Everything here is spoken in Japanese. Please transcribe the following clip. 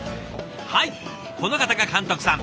はいこの方が監督さん。